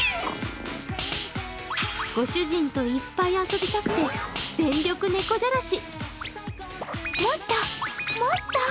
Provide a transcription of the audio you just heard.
ご主人といっぱい遊びたくて全力ねこじゃらし。